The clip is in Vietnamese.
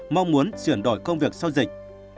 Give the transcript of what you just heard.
mong muốn chuyển đổi công việc sau dịch